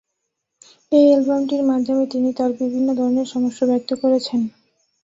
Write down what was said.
এই অ্যালবামটির মাধ্যমে তিনি তার বিভিন্ন ধরনের সমস্যা ব্যক্ত করেছেন।